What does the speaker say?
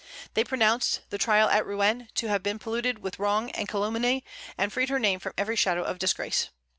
They pronounced the trial at Rouen to have been polluted with wrong and calumny, and freed her name from every shadow of disgrace.